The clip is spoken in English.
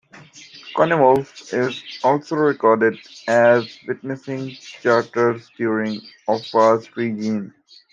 Coenwulf is also recorded as witnessing charters during Offa's reign.